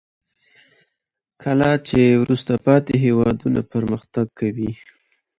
کله چې وروسته پاتې هیوادونه پرمختګ کوي.